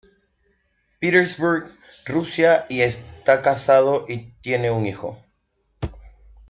Petersburg, Rusia y está casado y tiene un hijo.